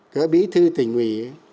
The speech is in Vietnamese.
cỡ bí thư tỉnh ủy